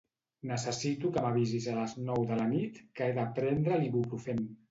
Necessito que m'avisis a les nou de la nit que he de prendre l'Iboprufèn.